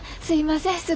すいません。